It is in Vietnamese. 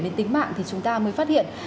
đến tính mạng thì chúng ta mới phát hiện